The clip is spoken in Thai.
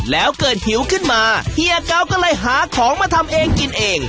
แล้วเกิดหิวขึ้นมาเฮียเกาก็เลยหาของมาทำเองกินเอง